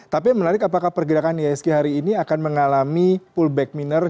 tapi menarik apakah pergerakan iasg hari ini akan mengalami pullback minor